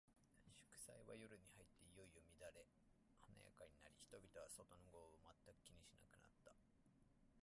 祝宴は、夜に入っていよいよ乱れ華やかになり、人々は、外の豪雨を全く気にしなくなった。メロスは、一生このままここにいたい、と思った。